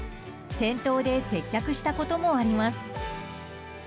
店頭で接客したこともあります。